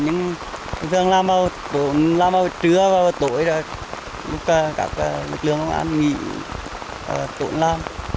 nhưng thường làm vào tối làm vào trưa vào tối là lúc các lực lượng an nghỉ tổn làm